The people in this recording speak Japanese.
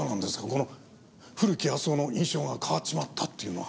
この古木保男の印象が変わっちまったっていうのは。